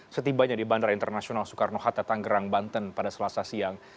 setibanya di bandara internasional soekarno hatta tanggerang banten pada selasa siang